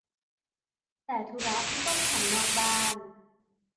แต่ธุระที่ต้องทำนอกบ้าน